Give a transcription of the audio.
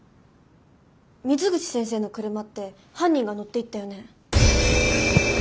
水口先生の車って犯人が乗っていったよね。